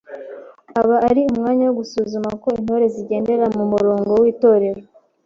Aba ari umwanya wo gusuzuma ko Intore zigendera mu murongo w’Itorero